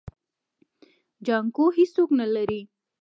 جانکو هيڅوک نه لري.